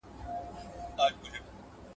تاسي چيري سواست چي نن سهار مو چای نه و خوړلی؟